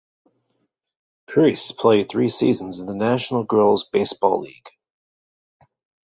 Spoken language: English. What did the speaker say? Kurys played three seasons in the National Girls Baseball League.